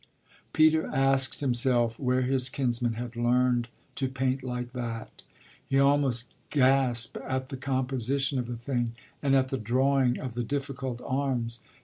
Peter asked himself where his kinsman had learned to paint like that. He almost gasped at the composition of the thing and at the drawing of the difficult arms.